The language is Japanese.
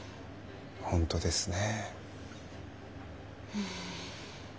本当ですね。